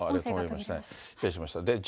失礼しました。